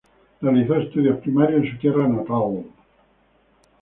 Realizó estudios primarios en su tierra natal.